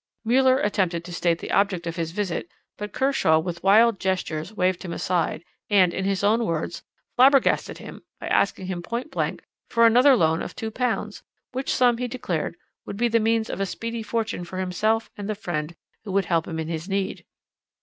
Müller attempted to state the object of his visit, but Kershaw, with wild gestures, waved him aside, and in his own words flabbergasted him by asking him point blank for another loan of two pounds, which sum, he declared, would be the means of a speedy fortune for himself and the friend who would help him in his need.